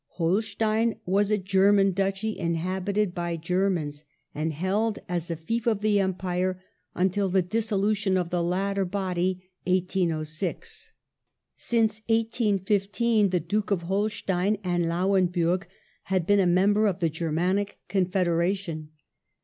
Holstein was a German Duchy inhabited by Germans, and held as a fief of the Empire until the dissolution of the latter body (1806). Since 1815 the Duke of Holstein and Lauenburg had been a member of the Germanic Confederation.